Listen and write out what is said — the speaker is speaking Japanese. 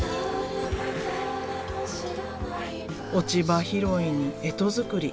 落ち葉拾いに干支作り。